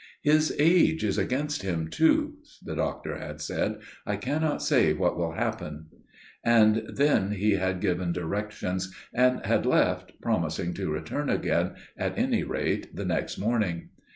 "His age is against him, too," the doctor had said; "I cannot say what will happen." And then he had given directions, and had left, promising to return again, at any rate the next morning.